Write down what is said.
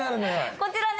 こちらね。